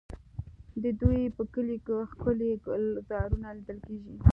د دوی په کلیو کې ښکلي ګلزارونه لیدل کېږي.